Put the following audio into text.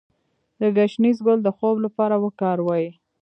د ګشنیز ګل د خوب لپاره وکاروئ